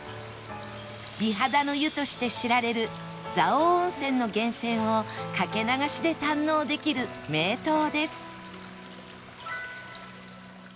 美肌の湯として知られる蔵王温泉の源泉を掛け流しで堪能できる名湯です